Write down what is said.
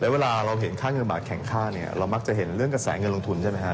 เวลาเราเห็นค่าเงินบาทแข็งค่าเนี่ยเรามักจะเห็นเรื่องกระแสเงินลงทุนใช่ไหมฮะ